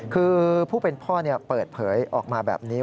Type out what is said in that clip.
คือผู้เป็นพ่อเปิดเผยออกมาแบบนี้